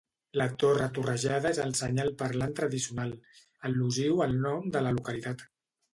La torre torrejada és el senyal parlant tradicional, al·lusiu al nom de la localitat.